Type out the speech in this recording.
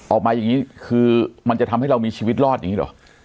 ออกมาอย่างนี้คือมันจะทำให้เรามีชีวิตรอดอย่างนี้เหรอ